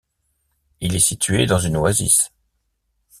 Il est situé dans une oasis.